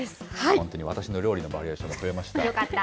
本当に、私の料理のバリエーションも増えました。